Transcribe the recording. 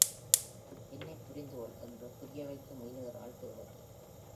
என்னைப் புரிந்து கொள்! என்று புரியவைக்க முயலுகிறாள் தேவகி.